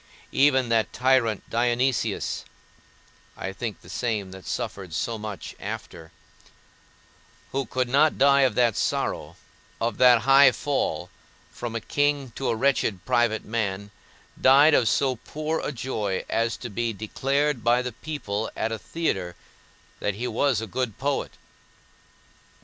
Even that tyrant, Dionysius (I think the same that suffered so much after), who could not die of that sorrow, of that high fall, from a king to a wretched private man, died of so poor a joy as to be declared by the people at a theatre that he was a good poet.